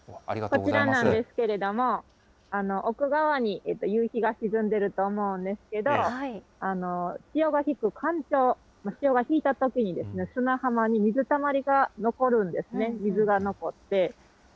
こちらなんですけれども、奥側に夕日が沈んでると思うんですけど、潮が引く干潮、潮が引いたときにですね、砂浜に水たまりが残るんですね、水が残って。